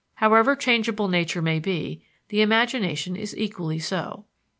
However changeable nature may be, the imagination is equally so."